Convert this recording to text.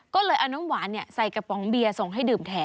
ก็เลยเอาน้ำหวานใส่กระป๋องเบียร์ส่งให้ดื่มแทน